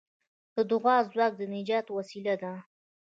د دعا ځواک د نجات وسیله ده.